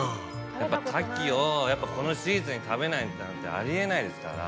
やっぱ牡蠣をこのシーズンに食べないなんてあり得ないですから。